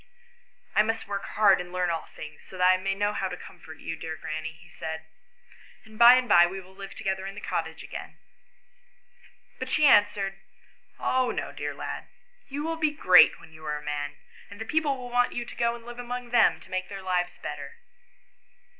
" I must work hard and learn all things, so that I may know how to comfort you, dear granny," he XL] THE STORY OF WILLIE AND FANCY. 127 said; ".and by and by we will live together in the cottage again." But she answered, "Oh no, dear lad, you will be great when you are a man, and the people will want you to go and live among them, to make their lives better."